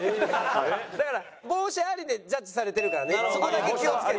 だから帽子ありでジャッジされてるからねそこだけ気を付けて。